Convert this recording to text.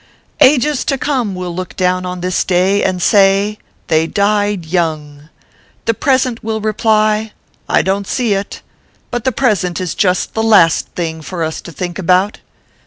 " Ages to come will look down on this day and say : i They died young/ The Present will reply : c I don t see it ; but the present is just the last thing for us to think about.